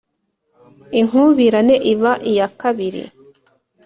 Inkubirane iba iya kabiri